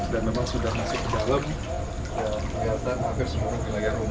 dan memang sudah masuk ke dalam